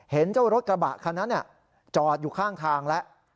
เห็นเจ้ารถกระบะคันนั้นจอดอยู่ข้างทางแล้ว